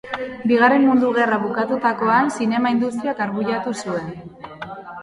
Bigarren Mundu Gerra bukatutakoan, zinema industriak arbuiatu zuen.